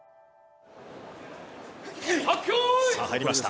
さあ入りました。